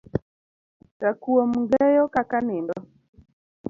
Rakuom ngeyo kaka nindo